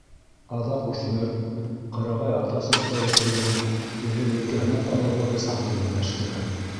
Аҙаҡ үҫмер ҡырағай ата сусҡа үлтергән ирҙең елкәһенә тағыулы бысаҡты үҙләштерә.